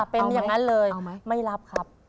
เป็นอย่างนั้นเลยไม่รับครับ